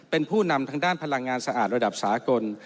เป็นผู้นำทางด้านพลังงานสะอาดระดับสากล